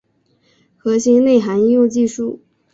核心内涵应用技术